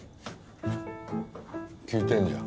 聞いてんじゃん。